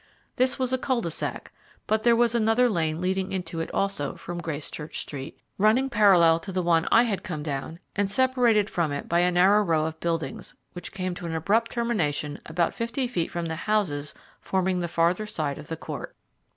This was a cul de sac, but there was another lane leading into it also from Gracechurch Street running parallel to the one I had come down, and separated from it by a narrow row of buildings, which came to an abrupt termination about fifty feet from the houses forming the farther side of the court.